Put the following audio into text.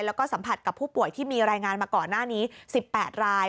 แล้วก็สัมผัสกับผู้ป่วยที่มีรายงานมาก่อนหน้านี้๑๘ราย